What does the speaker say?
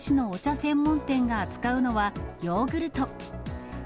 専門店が扱うのはヨーグルト。